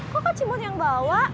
kok kak cimut yang bawa